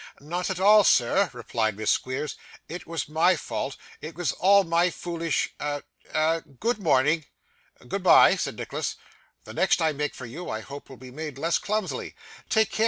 'Not at all, sir,' replied Miss Squeers; 'it was my fault. It was all my foolish a a good morning!' 'Goodbye,' said Nicholas. 'The next I make for you, I hope will be made less clumsily. Take care!